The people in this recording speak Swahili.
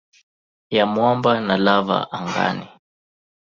ya mwamba na lava angani.